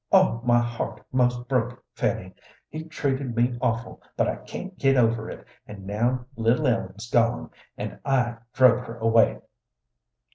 Oh, my heart 'most broke, Fanny! He's treated me awful, but I can't get over it; and now little Ellen's gone, and I drove her away!"